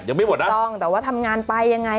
ยังไม่หมดนะถูกต้องแต่ว่าทำงานไปยังไง